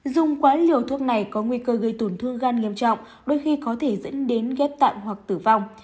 dùng quá liều thuốc này có nguy cơ gây tổn thương gan nghiêm trọng đôi khi có thể dẫn đến ghép tạng hoặc tử vong